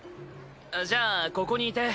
じゃあここにいて。